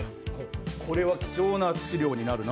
これは貴重な資料になるな。